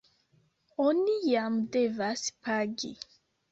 Oni jam devas pagi?